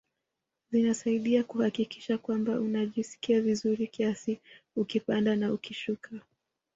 Zinasaidia kuhakikisha kwamba unajisikia vizuri kiasi ukipanda na ukishuka